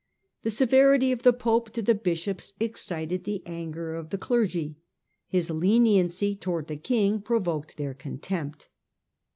The severity of the pope to the bishops excited the anger of the clergy ; his leniency towards the king provoked their contempt.